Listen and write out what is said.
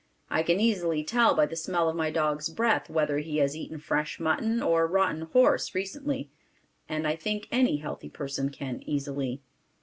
I can easily tell by the smell of my dog's breath whether he has eaten fresh mutton or rotten horse recently, and I think any healthy person can easily.